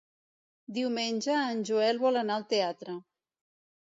Diumenge en Joel vol anar al teatre.